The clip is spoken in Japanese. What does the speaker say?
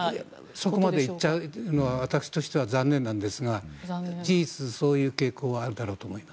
そこまでいっちゃうのは私としては残念なんですが事実、そういう傾向はあるだろうと思います。